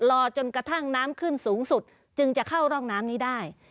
รอจนกระทั่งน้ำขึ้นสูงสุดจึงจะเข้าร่องน้ำนี้ได้